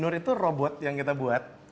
tidur itu robot yang kita buat